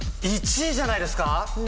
１位じゃないですか